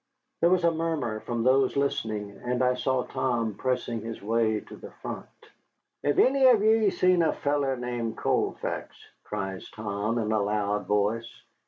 There was a murmur from those listening, and I saw Tom pressing his way to the front. "Hev any of ye seen a feller named Colfax?" cries Tom, in a loud voice.